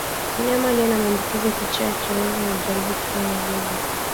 Mnyama aliye na maambukizi ya kichaa cha mbwa hujaribu kukwea magogo